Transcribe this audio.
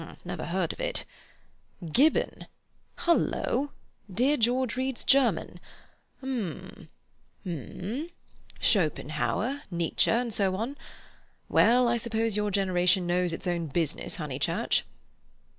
Never heard of it. Gibbon. Hullo! dear George reads German. Um—um—Schopenhauer, Nietzsche, and so we go on. Well, I suppose your generation knows its own business, Honeychurch."